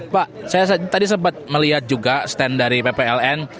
pak saya tadi sempat melihat juga stand dari ppln